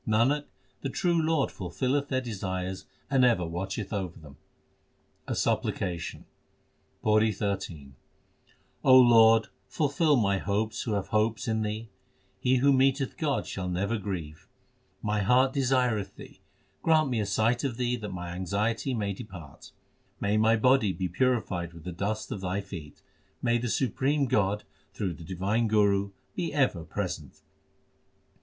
Nanak, the true Lord fulfilleth their desires and ever watcheth over them. A supplication : PAURI XIII Lord, fulfil my hopes who have hopes in Thee. He who meeteth God shall never grieve. My heart desireth Thee ; grant me a sight of Thee that my anxiety may depart. May my body be purified with the dust of Thy feet ! May the supreme God through the divine Guru be ever present